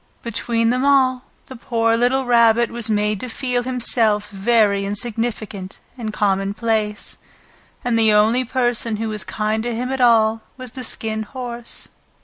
Between them all the poor little Rabbit was made to feel himself very insignificant and commonplace, and the only person who was kind to him at all was the Skin Horse.